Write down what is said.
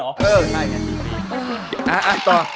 อ่าอ่ากยิ่ง